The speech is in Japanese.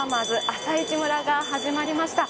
朝市村が始まりました。